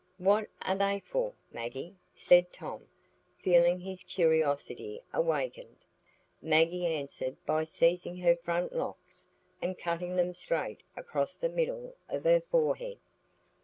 "What are they for, Maggie?" said Tom, feeling his curiosity awakened. Maggie answered by seizing her front locks and cutting them straight across the middle of her forehead.